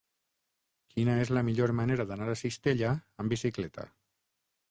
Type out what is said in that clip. Quina és la millor manera d'anar a Cistella amb bicicleta?